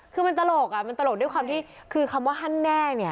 คือมันตลกอ่ะคือคำว่าฮันแน่เนี่ย